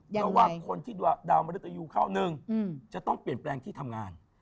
ระหว่างคนที่ดาวมริตยูเข้าหนึ่งจะต้องเปลี่ยนแปลงที่ทำงาน